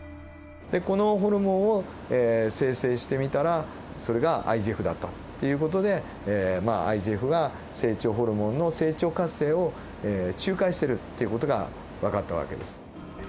でこのホルモンを精製してみたらそれがＩＧＦだったっていう事でまあＩＧＦが成長ホルモンの成長活性を仲介しているっていう事がわかった訳です。